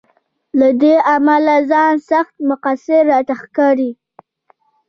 له دې امله ځان سخت مقصر راته ښکاري.